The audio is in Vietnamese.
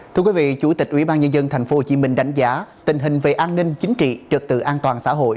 thưa quý vị chủ tịch ubnd tp hcm đánh giá tình hình về an ninh chính trị trực tự an toàn xã hội